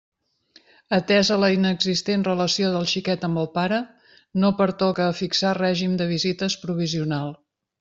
Atesa la inexistent relació del xiquet amb el pare, no pertoca a fixar règim de visites provisional.